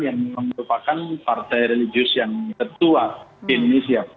yang merupakan partai religius yang ketua di indonesia